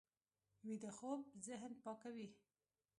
ویده خوب ذهن پاکوي